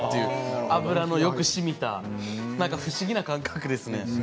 油のよくしみた不思議な感覚ですね。